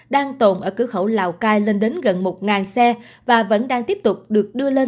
đang tồn ở cửa khẩu lào cai lên đến gần một xe và vẫn đang tiếp tục được đưa lên